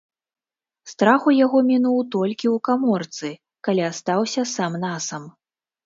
Страх у яго мінуў толькі ў каморцы, калі астаўся сам-насам.